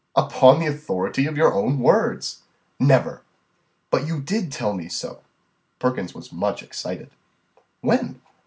"Upon the authority of your own words." "Never!" "But you did tell me so." Perkins was much excited. "When?"